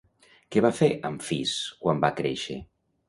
Què va fer Amfís quan va créixer?